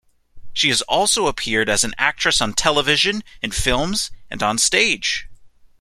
She has also appeared as an actress on television, in films, and on stage.